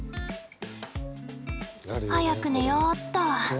早く寝ようっと。